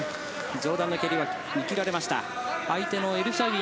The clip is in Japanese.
上段の蹴りは見切られました。